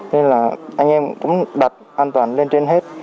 nên là anh em cũng đặt an toàn lên trên hết